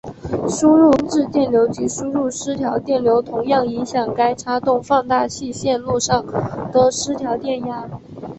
输入偏置电流及输入失调电流同样影响该差动放大器线路上的失调电压。